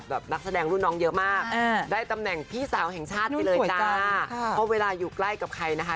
เวลาอยู่ใกล้ร่วมใกล้กับใครนะคะ